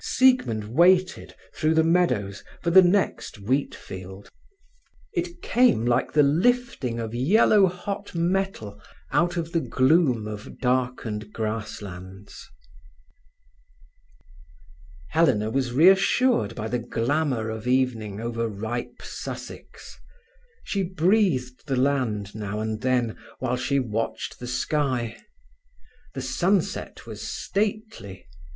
Siegmund waited, through the meadows, for the next wheat field. It came like the lifting of yellow hot metal out of the gloom of darkened grass lands. Helena was reassured by the glamour of evening over ripe Sussex. She breathed the land now and then, while she watched the sky. The sunset was stately.